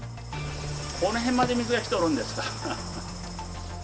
この辺まで水が来とるんですが。